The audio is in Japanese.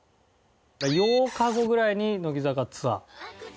８日後ぐらいに乃木坂ツアー。